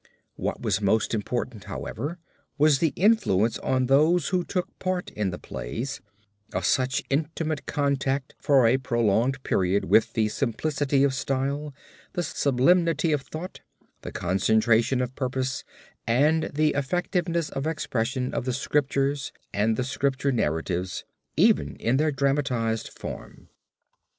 What was most important, however, was the influence on those who took part in the plays, of such intimate contact for a prolonged period with the simplicity of style, the sublimity of thought, the concentration of purpose and the effectiveness of expression of the Scriptures and the Scripture narratives even in their dramatized form.